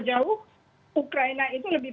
jauh ukraina itu lebih